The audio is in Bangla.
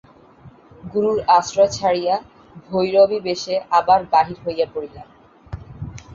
গুরুর আশ্রয় ছাড়িয়া ভৈরবীবেশে আবার বাহির হইয়া পড়িলাম।